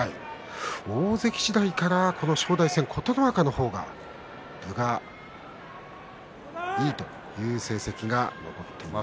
大関時代から、この正代戦は琴ノ若の方が分がいいという成績が残っています。